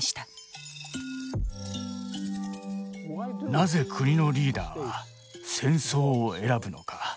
なぜ国のリーダーは戦争を選ぶのか？